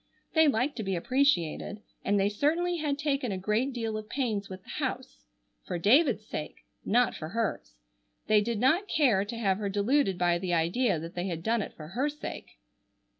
They liked to be appreciated, and they certainly had taken a great deal of pains with the house—for David's sake—not for hers. They did not care to have her deluded by the idea that they had done it for her sake.